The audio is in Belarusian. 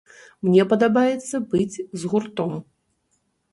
Мне падабаецца быць з гуртом.